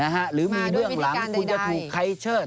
หรือมีเบื้องหลังคุณจะถูกใครเชิด